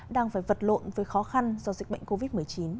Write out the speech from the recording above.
đang phải vật lộn với khó khăn do dịch bệnh covid một mươi chín